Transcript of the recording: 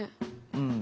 うん。